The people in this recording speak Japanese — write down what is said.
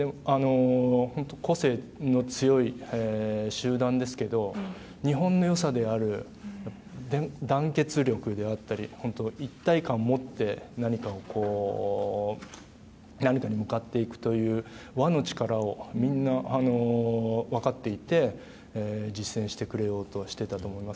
個性の強い集団ですが日本の良さである団結力であったり一体感を持って何かに向かっていくという和の力をみんな分かっていて実践してくれようとしていたと思います。